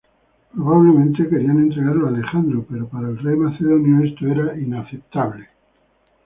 Probablemente querían entregarlo a Alejandro, pero para el rey macedonio esto era inaceptable.